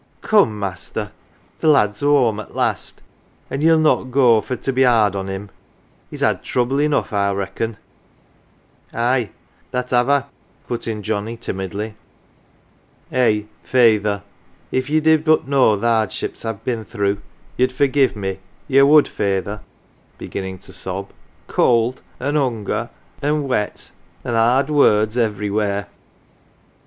"Come, master, th' lad's whoam at last, an' ye'll 65 E CELEBRITIES not go for to be 'ard on him. He's had trouble enough I'll reckon." " Aye, that have I," put in Johnnie timidly. " Eh ! feyther, if ye did but know th' 'ardships I've been through ye'd forgive me ye would, feyther " begin ning to sob " cold, an' hunger, an' wet an' 'ard words everywhere."